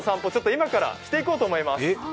今からしていこうと思います。